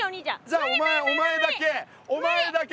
じゃあお前お前だけお前だけ！